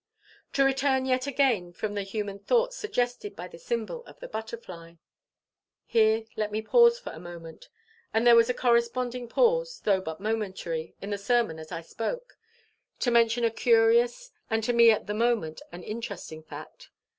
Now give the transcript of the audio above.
"To return yet again from the human thoughts suggested by the symbol of the butterfly" Here let me pause for a moment and there was a corresponding pause, though but momentary, in the sermon as I spoke it to mention a curious, and to me at the moment an interesting fact.